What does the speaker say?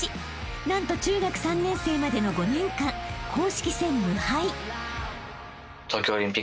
［何と中学３年生までの５年間公式戦無敗］